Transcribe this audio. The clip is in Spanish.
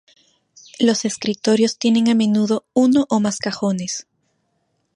Los escritorios tienen a menudo uno o más cajones.